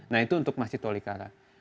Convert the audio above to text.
nah itu untuk masjid tolikara